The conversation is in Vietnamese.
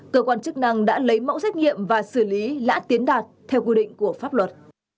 cơ quan chức năng đã lấy mẫu xét nghiệm và xử lý lã tiến đạt theo quy định của pháp luật